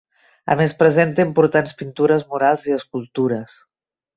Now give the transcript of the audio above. A més presenta importants pintures murals i escultures.